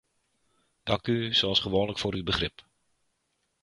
Dank u zoals gewoonlijk voor uw begrip.